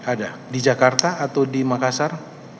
ada di jakarta atau di makassar